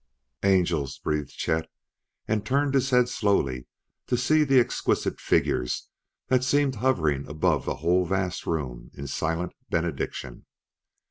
"Angels!" breathed Chet and turned his head slowly to see the exquisite figures that seemed hovering above the whole vast room in silent benediction.